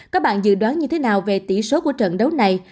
các bạn dự đoán như thế nào về tỷ số của trận đấu này